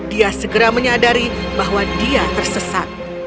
dia segera menyadari bahwa dia tersesat